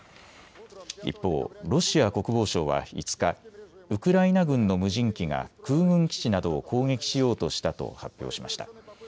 一方、ロシア国防省は５日、ウクライナ軍の無人機が空軍基地などを攻撃しようとしたと発表しました。